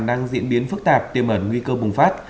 đang diễn biến phức tạp tiêm ẩn nguy cơ bùng phát